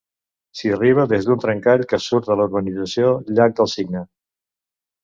S'hi arriba des d'un trencall que surt de la urbanització Llac del Cigne.